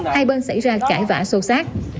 hai bên xảy ra cãi vã sâu sát